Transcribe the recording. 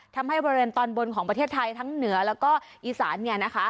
ทำให้บริเวณตอนบนของประเทศไทยทั้งเหนือแล้วก็อีสาน